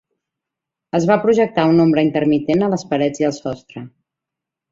Es va projectar una ombra intermitent a les parets i el sostre.